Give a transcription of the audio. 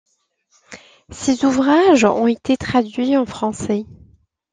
Ces ouvrages ont été traduits en français.